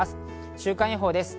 週間予報です。